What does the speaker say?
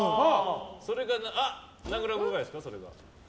それが何グラムぐらいですか？